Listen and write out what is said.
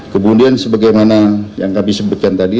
kemudian sebagaimana yang kami sebutkan tadi